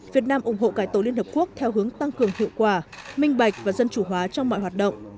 việt nam ủng hộ cải tổ liên hợp quốc theo hướng tăng cường hiệu quả minh bạch và dân chủ hóa trong mọi hoạt động